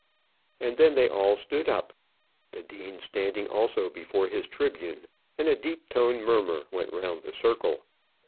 And then they all stood up, the dean standing also before his tribune, and a deep toned murmur went round the circle.